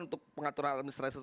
untuk pengaturan administrasi